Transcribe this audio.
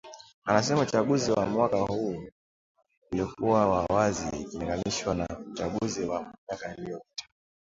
Anasema uchaguzi wa mwaka huu ulikuwa wa wazi ikilinganishwa na uchaguzi wa miaka iliyopita